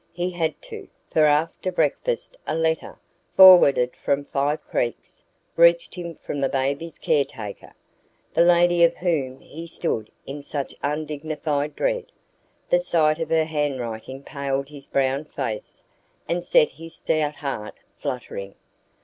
He had to; for after breakfast a letter, forwarded from Five Creeks, reached him from the baby's caretaker the lady of whom he stood in such undignified dread. The sight of her handwriting paled his brown face and set his stout heart fluttering.